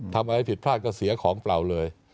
ทำอะไรผิดพลาดก็เสียของเปล่าเลย